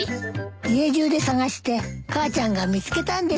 家じゅうで探して母ちゃんが見つけたんです。